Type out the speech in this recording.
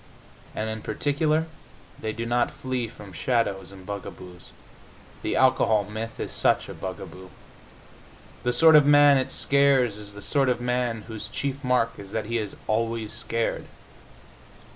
And in particular they do not flee from shadows and bugaboos. The alcohol myth is such a bugaboo. The sort of man it scares is the sort of man whose chief mark is that he is always scared.